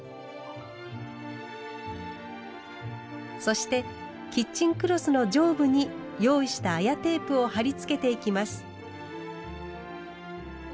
そしてキッチンクロスの上部に用意した綾テープを貼り付けていきます。